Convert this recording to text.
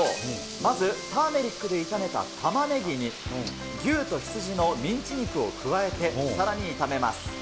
まずターメリックで炒めた玉ねぎに、牛と羊のミンチ肉を加えてさらに炒めます。